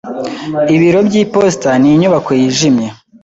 Ibiro by'iposita ni inyubako yijimye.